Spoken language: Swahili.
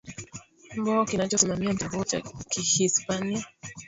mbo kinachosimamia mchezo huo cha hispania